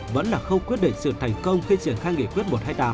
vẫn là khâu quyết định sự thành công khi triển khai nghị quyết một trăm hai mươi tám